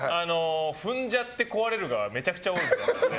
踏んじゃって壊れるがめちゃくちゃ多いって。